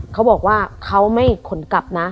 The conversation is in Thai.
เขาบอกว่าเขาไม่ขนกลับนะ